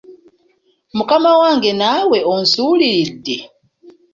Mukama wange naawe onsuuliridde?